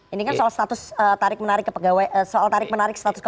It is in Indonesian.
ini kan soal status tarik menarik ke pegawaian